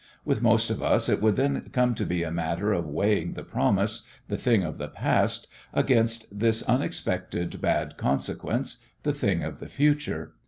With most of us it would then come to be a matter of weighing the promise, the thing of the past, against this unexpected bad consequence, the thing of the future.